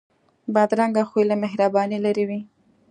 بدرنګه خوی له مهربانۍ لرې وي